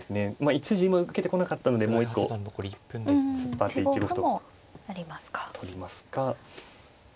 １筋今受けてこなかったのでもう一個突っ張って１五歩と取りますかま